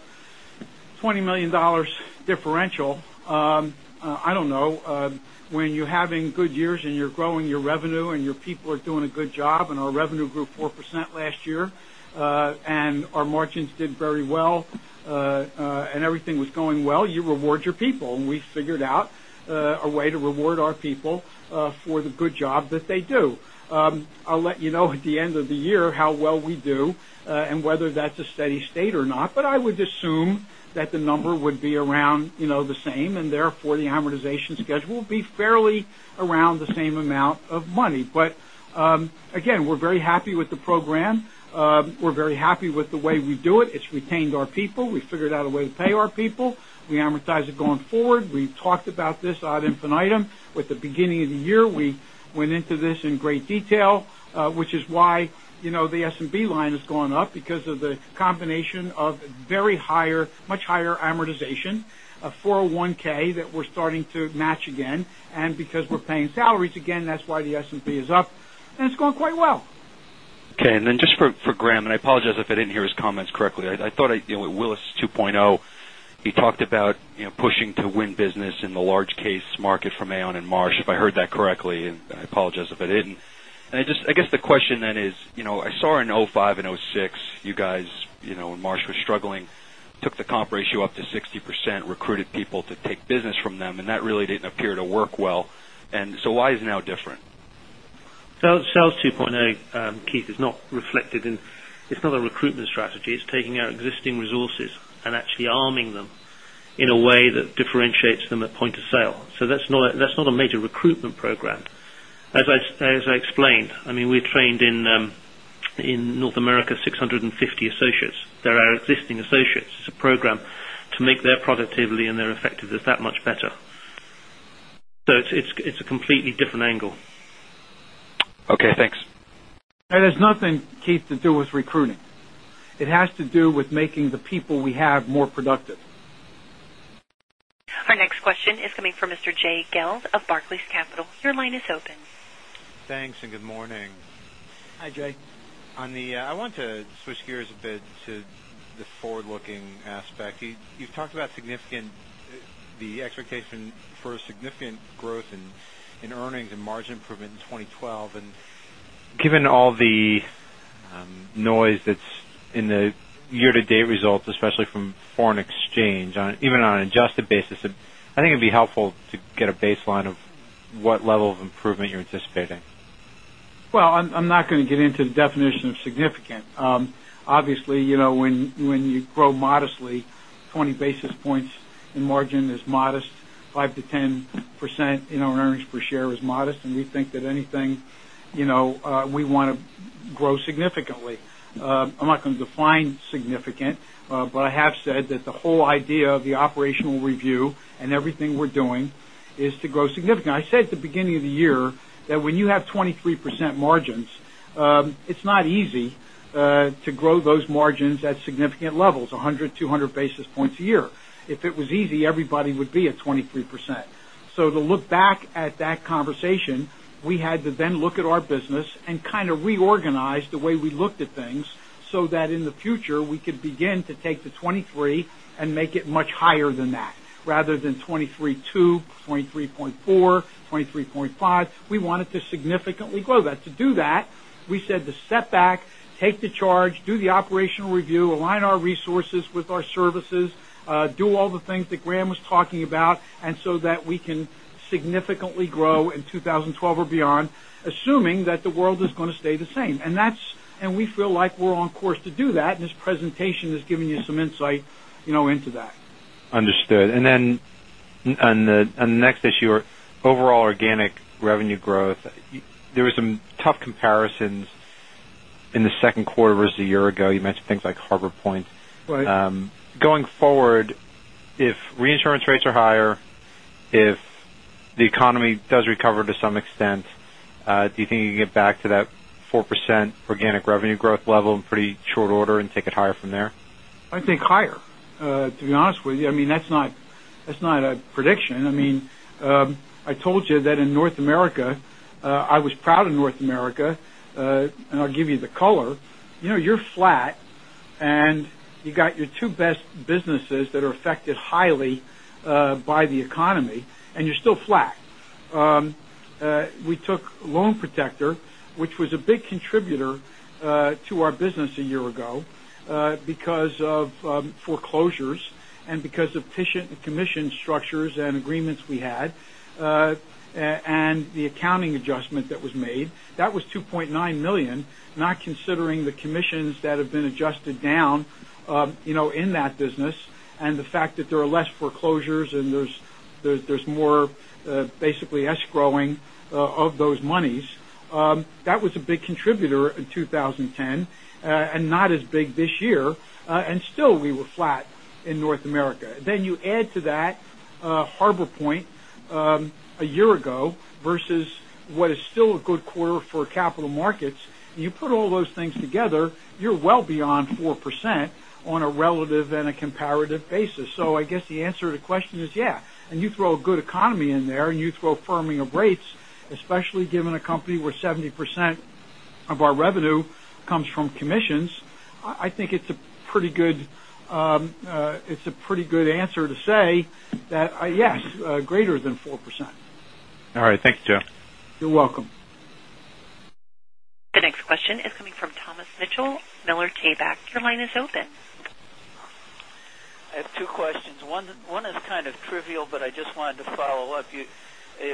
$20 million differential. I don't know. When you're having good years and you're growing your revenue and your people are doing a good job, our revenue grew 4% last year, and our margins did very well, and everything was going well, you reward your people. We figured out a way to reward our people for the good job that they do. I'll let you know at the end of the year how well we do, and whether that's a steady state or not. I would assume that the number would be around the same, and therefore the amortization schedule will be fairly around the same amount of money. Again, we're very happy with the program. We're very happy with the way we do it. It's retained our people. We figured out a way to pay our people. We amortize it going forward. We talked about this ad infinitum. With the beginning of the year, we went into this in great detail, which is why the S&B line has gone up because of the combination of much higher amortization, a 401 that we're starting to match again, and because we're paying salaries again, that's why the S&B is up. It's going quite well. Just for Grahame, I apologize if I didn't hear his comments correctly. I thought with Sales 2.0, he talked about pushing to win business in the large case market from Aon and Marsh, if I heard that correctly, I apologize if I didn't. I guess the question then is, I saw in 2005 and 2006, you guys, when Marsh was struggling, took the comp ratio up to 60%, recruited people to take business from them, that really didn't appear to work well. Why is now different? Sales 2.0, Keith, it's not a recruitment strategy. It's taking our existing resources and actually arming them in a way that differentiates them at point of sale. That's not a major recruitment program. As I explained, we trained in North America, 650 associates. They're our existing associates. It's a program to make their productivity and their effectiveness that much better. It's a completely different angle. Thanks. It has nothing, Keith, to do with recruiting. It has to do with making the people we have more productive. Our next question is coming from Mr. Jay Gelb of Barclays Capital. Your line is open. Thanks, good morning. Hi, Jay. I want to switch gears a bit to the forward-looking aspect. You've talked about the expectation for significant growth in earnings and margin improvement in 2012. Given all the noise that's in the year-to-date results, especially from foreign exchange, even on an adjusted basis, I think it'd be helpful to get a baseline of what level of improvement you're anticipating. Well, I'm not going to get into the definition of significant. Obviously, when you grow modestly, 20 basis points in margin is modest, 5%-10% in earnings per share is modest, we think that anything, we want to grow significantly. I'm not going to define significant, but I have said that the whole idea of the operational review and everything we're doing is to grow significantly. I said at the beginning of the year that when you have 23% margins, it's not easy to grow those margins at significant levels, 100, 200 basis points a year. If it was easy, everybody would be at 23%. To look back at that conversation, we had to then look at our business and kind of reorganize the way we looked at things so that in the future, we could begin to take the 23 and make it much higher than that, rather than 23.2, 23.4, 23.5. We wanted to significantly grow that. To do that, we said to step back, take the charge, do the operational review, align our resources with our services, do all the things that Grahame was talking about, so that we can significantly grow in 2012 or beyond, assuming that the world is going to stay the same. We feel like we're on course to do that, and this presentation has given you some insight into that. Understood. On the next issue, overall organic revenue growth, there were some tough comparisons in the second quarter versus a year ago. You mentioned things like Harbor Point. Right. Going forward, if reinsurance rates are higher, if the economy does recover to some extent, do you think you can get back to that 4% organic revenue growth level in pretty short order and take it higher from there? I think higher, to be honest with you. That's not a prediction. I told you that in North America, I was proud of North America. I'll give you the color. You're flat, you got your two best businesses that are affected highly by the economy, you're still flat. We took Loan Protector, which was a big contributor to our business a year ago because of foreclosures and because of commission structures and agreements we had. The accounting adjustment that was made. That was $2.9 million, not considering the commissions that have been adjusted down in that business and the fact that there are less foreclosures and there's more basically escrowing of those monies. That was a big contributor in 2010. Not as big this year. Still, we were flat in North America. You add to that Harbor Point a year ago versus what is still a good quarter for capital markets. You put all those things together, you're well beyond 4% on a relative and a comparative basis. I guess the answer to the question is yeah. You throw a good economy in there, you throw firming of rates, especially given a company where 70% of our revenue comes from commissions, I think it's a pretty good answer to say that yes, greater than 4%. All right. Thank you, Joe. You're welcome. The next question is coming from Thomas Mitchell, Miller Tabak. Your line is open. I have two questions. One is kind of trivial, but I just wanted to follow up. It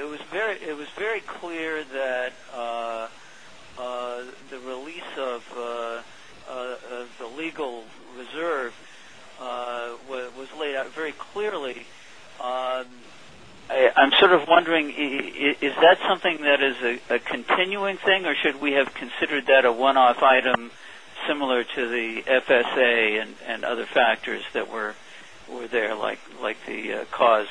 was very clear that the release of the legal reserve was laid out very clearly. I'm sort of wondering, is that something that is a continuing thing, or should we have considered that a one-off item similar to the FSA and other factors that were there, like the claims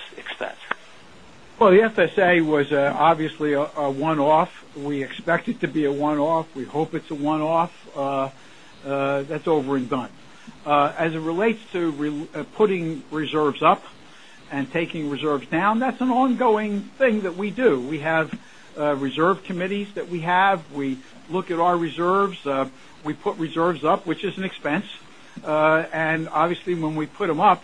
expense? The FSA was obviously a one-off. We expect it to be a one-off. We hope it's a one-off. That's over and done. As it relates to putting reserves up Taking reserves down, that's an ongoing thing that we do. We have reserve committees that we have. We look at our reserves. We put reserves up, which is an expense. Obviously, when we put them up,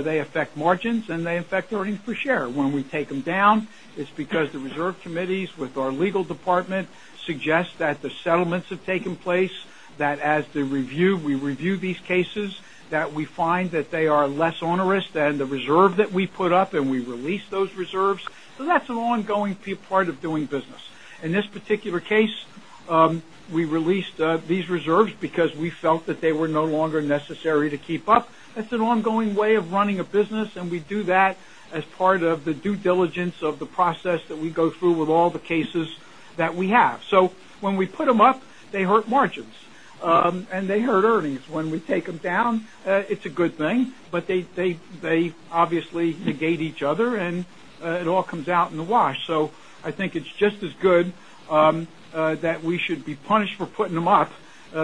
they affect margins and they affect earnings per share. When we take them down, it's because the reserve committees with our legal department suggest that the settlements have taken place, that as we review these cases, that we find that they are less onerous than the reserve that we put up, and we release those reserves. That's an ongoing part of doing business. In this particular case, we released these reserves because we felt that they were no longer necessary to keep up. That's an ongoing way of running a business, and we do that as part of the due diligence of the process that we go through with all the cases that we have. When we put them up, they hurt margins, and they hurt earnings. When we take them down, it's a good thing, but they obviously negate each other, and it all comes out in the wash. I think it's just as good that we should be punished for putting them up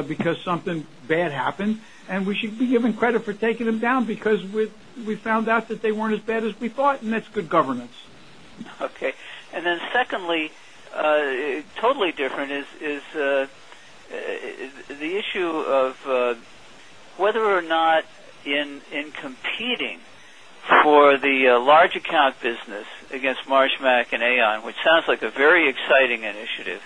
because something bad happened, and we should be given credit for taking them down because we found out that they weren't as bad as we thought, and that's good governance. Okay. Secondly, totally different, is the issue of whether or not in competing for the large account business against Marsh, McLennan, and Aon, which sounds like a very exciting initiative.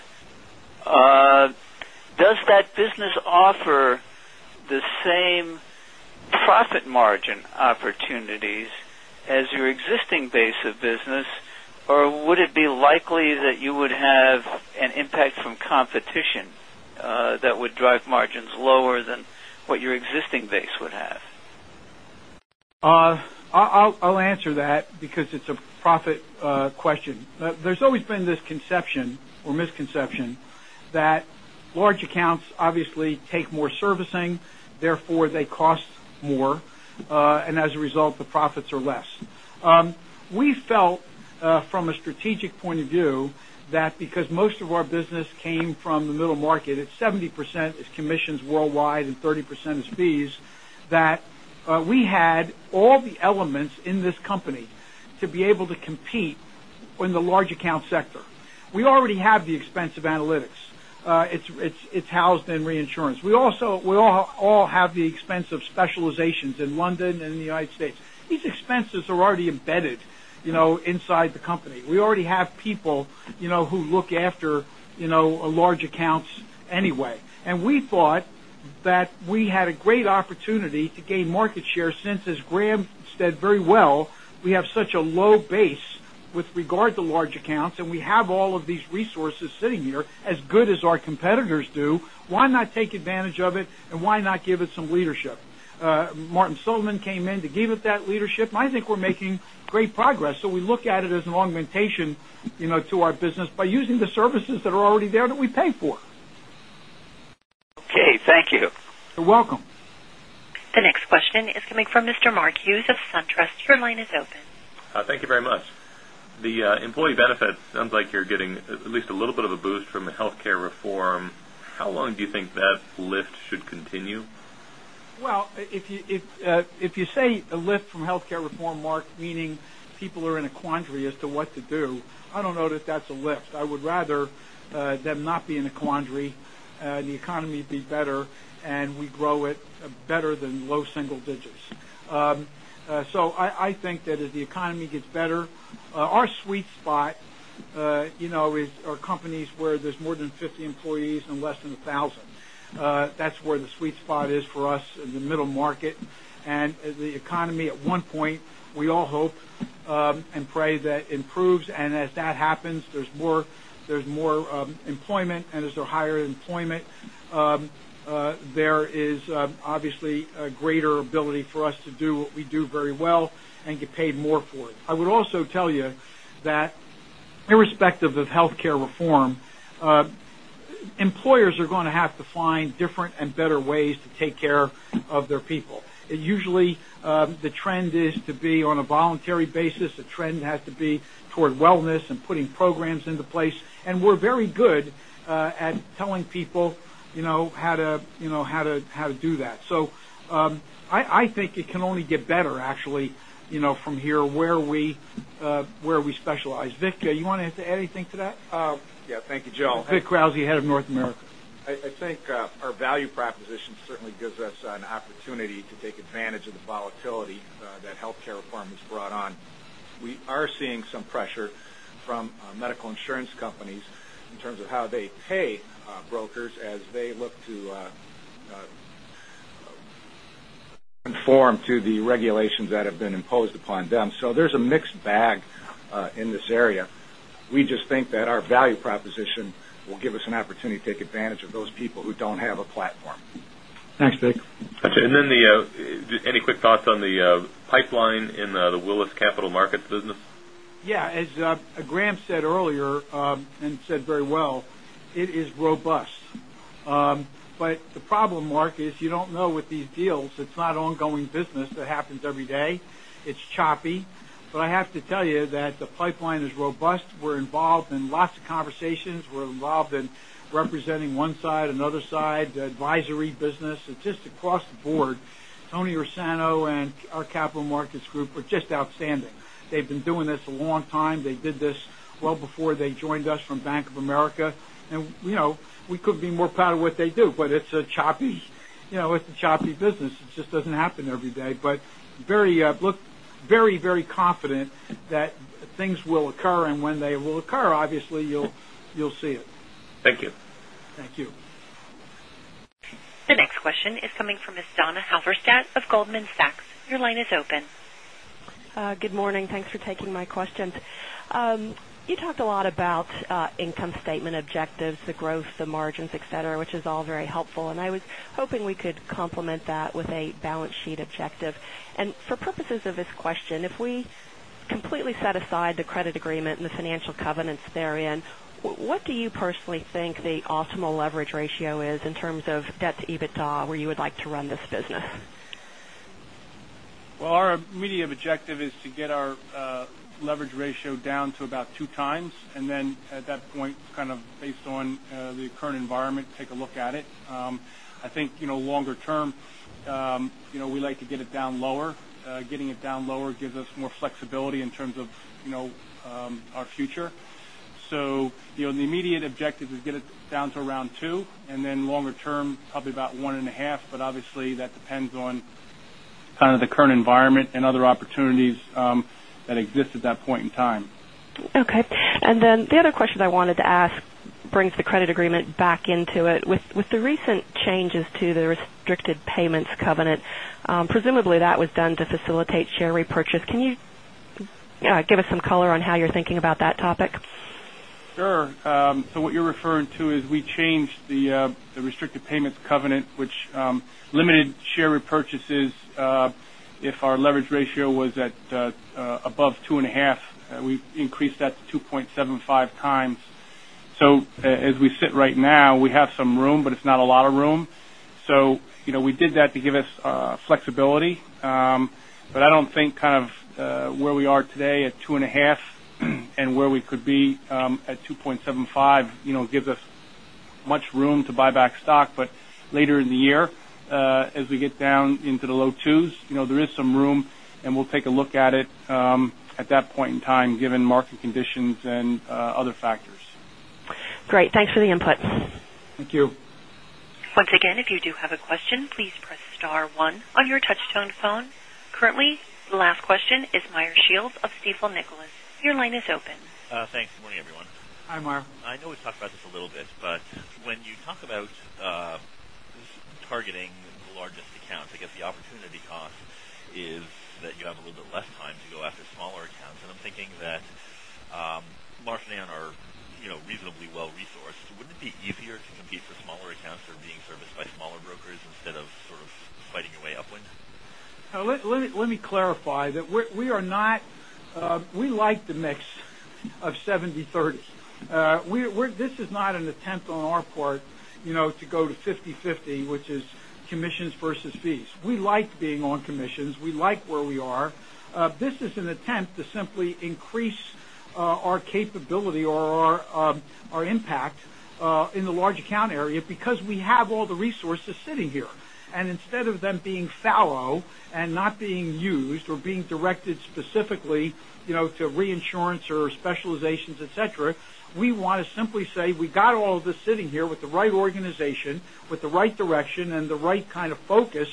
Does that business offer the same profit margin opportunities as your existing base of business, or would it be likely that you would have an impact from competition that would drive margins lower than what your existing base would have? I'll answer that because it's a profit question. There's always been this conception or misconception that large accounts obviously take more servicing, therefore, they cost more. As a result, the profits are less. We felt from a strategic point of view, that because most of our business came from the middle market, it's 70% is commissions worldwide and 30% is fees, that we had all the elements in this company to be able to compete in the large account sector. We already have the expense of analytics. It's housed in reinsurance. We all have the expense of specializations in London and the U.S. These expenses are already embedded inside the company. We already have people who look after large accounts anyway. We thought that we had a great opportunity to gain market share since, as Grahame said very well, we have such a low base with regard to large accounts, and we have all of these resources sitting here as good as our competitors do. Why not take advantage of it and why not give it some leadership? Martin Sullivan came in to give it that leadership. I think we're making great progress. We look at it as an augmentation to our business by using the services that are already there that we pay for. Okay. Thank you. You're welcome. The next question is coming from Mr. Mark Hughes of SunTrust. Your line is open. Thank you very much. The employee benefit sounds like you're getting at least a little bit of a boost from healthcare reform. How long do you think that lift should continue? Well, if you say a lift from healthcare reform, Mark, meaning people are in a quandary as to what to do, I don't know that that's a lift. I would rather them not be in a quandary, the economy be better, and we grow it better than low single digits. I think that as the economy gets better, our sweet spot is our companies where there's more than 50 employees and less than 1,000. That's where the sweet spot is for us in the middle market. As the economy at one point, we all hope and pray that improves, and as that happens, there's more employment, and as there's higher employment, there is obviously a greater ability for us to do what we do very well and get paid more for it. I would also tell you that irrespective of healthcare reform, employers are going to have to find different and better ways to take care of their people. Usually, the trend is to be on a voluntary basis. The trend has to be toward wellness and putting programs into place. We're very good at telling people how to do that. I think it can only get better, actually, from here where we specialize. Vic, you want to add anything to that? Yeah. Thank you, Joe. Vic Krause, Head of North America. I think our value proposition certainly gives us an opportunity to take advantage of the volatility that healthcare reform has brought on. We are seeing some pressure from medical insurance companies in terms of how they pay brokers as they look to conform to the regulations that have been imposed upon them. There's a mixed bag in this area. We just think that our value proposition will give us an opportunity to take advantage of those people who don't have a platform. Thanks, Vic. Any quick thoughts on the pipeline in the Willis Capital Markets business? Yeah. As Grahame said earlier, and said very well, it is robust. The problem, Mark, is you don't know with these deals, it's not ongoing business that happens every day. It's choppy. I have to tell you that the pipeline is robust. We're involved in lots of conversations. We're involved in representing one side, another side, the advisory business. It's just across the board, Tony Ursano and our capital markets group are just outstanding. They've been doing this a long time. They did this well before they joined us from Bank of America. We couldn't be more proud of what they do. It's a choppy business. It just doesn't happen every day, but look very confident that things will occur, and when they will occur, obviously, you'll see it. Thank you. Thank you. The next question is coming from Ms. Donna Halverstadt of Goldman Sachs. Your line is open. Good morning. Thanks for taking my questions. You talked a lot about income statement objectives, the growth, the margins, et cetera, which is all very helpful, and I was hoping we could complement that with a balance sheet objective. For purposes of this question, if we completely set aside the credit agreement and the financial covenants therein, what do you personally think the optimal leverage ratio is in terms of debt to EBITDA, where you would like to run this business? Our immediate objective is to get our leverage ratio down to about 2 times, and then at that point, kind of based on the current environment, take a look at it. I think longer term, we like to get it down lower. Getting it down lower gives us more flexibility in terms of our future. The immediate objective is get it down to around 2, then longer term, probably about 1.5, but obviously that depends on kind of the current environment and other opportunities that exist at that point in time. Okay. The other question I wanted to ask brings the credit agreement back into it. With the recent changes to the restricted payments covenant, presumably that was done to facilitate share repurchase. Can you give us some color on how you're thinking about that topic? Sure. What you're referring to is we changed the restrictive payments covenant, which limited share repurchases if our leverage ratio was at above 2.5. We've increased that to 2.75 times. As we sit right now, we have some room, but it's not a lot of room. We did that to give us flexibility. I don't think kind of where we are today at 2.5 and where we could be at 2.75 gives us much room to buy back stock. Later in the year, as we get down into the low 2s, there is some room, and we'll take a look at it at that point in time given market conditions and other factors. Great. Thanks for the input. Thank you. Once again, if you do have a question, please press star one on your touchtone phone. Currently, the last question is Meyer Shields of Stifel Nicolaus. Your line is open. Thanks. Good morning, everyone. Hi, Meyer. I know we've talked about this a little bit, but when you talk about targeting the largest accounts, I guess the opportunity cost is that you have a little bit less time to go after smaller accounts, and I'm thinking that Marsh & McLennan are reasonably well-resourced. Wouldn't it be easier to compete for smaller accounts that are being serviced by smaller brokers instead of sort of fighting your way upward? Let me clarify that we like the mix of 70/30. This is not an attempt on our part to go to 50/50, which is commissions versus fees. We like being on commissions. We like where we are. This is an attempt to simply increase our capability or our impact in the large account area because we have all the resources sitting here. Instead of them being fallow and not being used or being directed specifically to reinsurance or specializations, et cetera, we want to simply say we got all of this sitting here with the right organization, with the right direction, and the right kind of focus.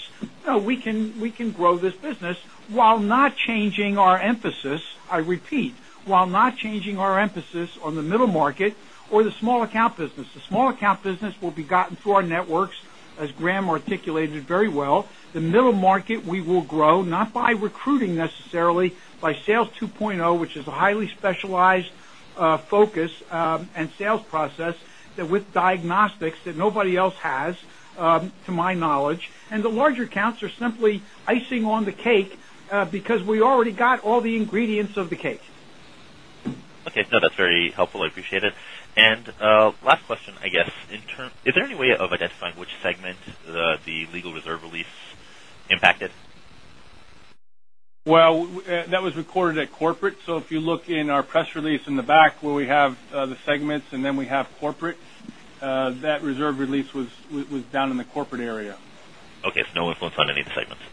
We can grow this business while not changing our emphasis, I repeat, while not changing our emphasis on the middle market or the small account business. The small account business will be gotten through our networks, as Grahame articulated very well. The middle market, we will grow, not by recruiting necessarily, by Sales 2.0, which is a highly specialized focus and sales process that with diagnostics that nobody else has, to my knowledge. The larger accounts are simply icing on the cake because we already got all the ingredients of the cake. Okay. No, that's very helpful. I appreciate it. Last question, I guess. Is there any way of identifying which segment the legal reserve release impacted? Well, that was recorded at Corporate. If you look in our press release in the back where we have the segments and then we have Corporate, that reserve release was down in the corporate area. Okay. No influence on any of the segments.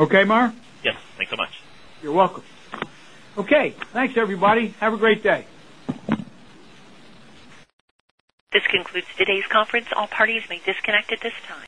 Okay, Meyer? Yes. Thanks so much. You're welcome. Okay. Thanks, everybody. Have a great day. This concludes today's conference. All parties may disconnect at this time.